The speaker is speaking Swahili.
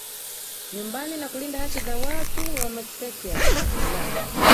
nyumbani na kulinda haki za watu wa Meskhetian ni la